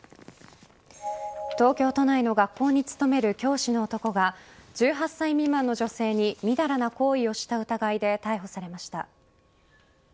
東京都内の学校に勤める教師の男が１８歳未満の女性にみだらな行為をした疑いで逮捕されました。